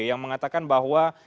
yang mengatakan bahwa